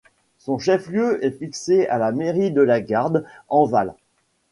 Son chef-lieu est fixé à la mairie de Lagarde-Enval.